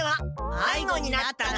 まいごになったな？